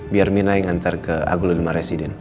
biar mirna yang nganter ke aglo nema residen